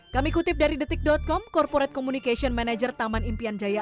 kami kutip dari detik com corporate communication manager taman impian jaya